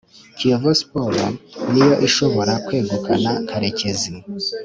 kiyovu sports ni yo ishobora kwegukana karekezi